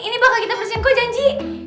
ini bakal kita bersihin kok janji